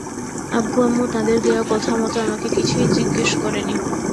আব্বু-আম্মু তাদের দেয়া কথামতো আমাকে কিছুই জিজ্ঞেস করে নি।